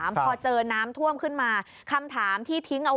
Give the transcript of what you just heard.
พอเจอน้ำท่วมขึ้นมาคำถามที่ทิ้งเอาไว้